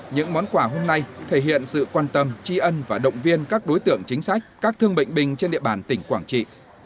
những món quà hôm nay thể hiện sự quan tâm tri ân và động viên các đối tượng chính sách các thương bệnh bình trên địa bàn tỉnh quảng trị